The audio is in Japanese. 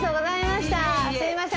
すみません